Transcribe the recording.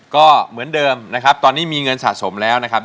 ก็เหมือนเดิมนะครับตอนนี้มีเงินสะสมแล้วนะครับ